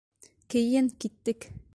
Кейен, киттек!